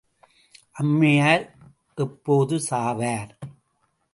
அம்மையார் எப்போது சாவார்?